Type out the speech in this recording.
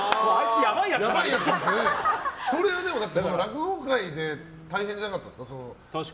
それは落語界で大変じゃなかったですか？